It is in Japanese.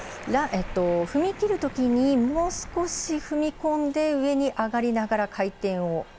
踏み切るときにもう少し踏み込んで上に上がりながら回転を。